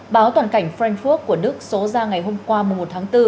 báo toàn cảnh frankfurt của đức số ra ngày hôm qua một tháng bốn